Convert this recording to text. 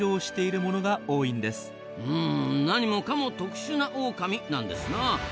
うん何もかも特殊なオオカミなんですなあ。